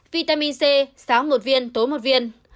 vitamin c sáng một viên tối một viên